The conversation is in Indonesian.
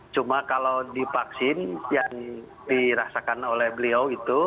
cuma kalau divaksin yang dirasakan oleh beliau itu